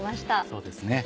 そうですね